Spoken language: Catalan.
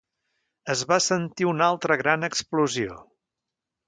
Es va sentir una altra gran explosió.